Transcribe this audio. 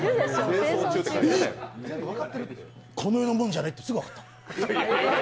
いっこの世のものじゃないってすぐ分かった。